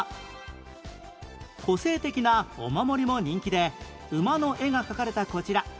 個性的なお守りも人気で馬の絵が描かれたこちら